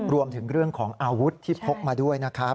รวมถึงเรื่องของอาวุธที่พกมาด้วยนะครับ